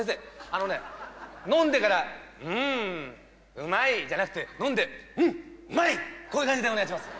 あのね飲んでから「うんうまい」じゃなくて飲んで「うん！うまい！」こういう感じでお願いします